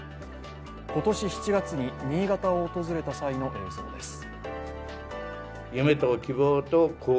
今年７月に新潟を訪れた際の映像です。